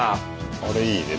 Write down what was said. あれいいね。